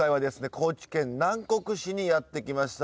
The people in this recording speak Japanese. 高知県南国市にやって来ました。